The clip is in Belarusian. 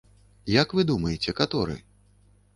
Як вы думаеце, каторы?